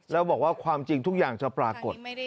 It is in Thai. แล้วบอกว่าความจริงทุกอย่างจะปรากฏ